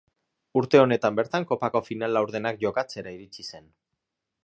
Urte honetan bertan Kopako final laurdenak jokatzera iritsi zen.